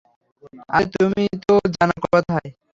আরে তুমি তো জানার কথাই।